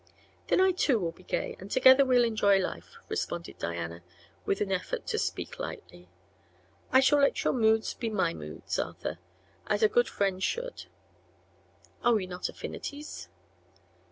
"Then I too will be gay, and together we'll enjoy life," responded Diana, with an effort to speak lightly. "I shall let your moods be my moods, Arthur, as a good friend should. Are we not affinities?"